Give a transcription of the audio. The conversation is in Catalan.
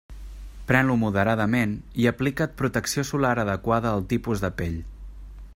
Pren-lo moderadament i aplica't protecció solar adequada al teu tipus de pell.